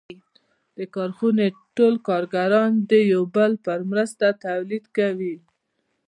د کارخانې ټول کارګران د یو بل په مرسته تولید کوي